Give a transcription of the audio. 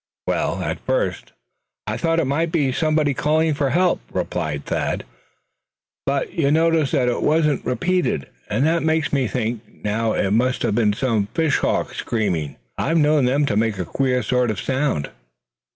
"Well, at first I thought it might be somebody calling for help," replied Thad, slowly; "but you notice that it wasn't repeated. And that makes me think now it must have been some fishhawk screaming. I've known them to make a queer sort of a sound."